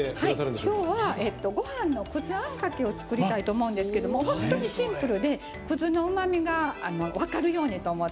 今回はご飯の葛あんかけを作りたいと思うんですけど本当にシンプルで葛のうまみが分かるようにと思って。